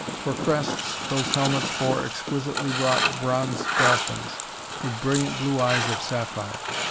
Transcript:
For crests these helmets bore exquisitely wrought bronze dolphins, with brilliant blue eyes of sapphire.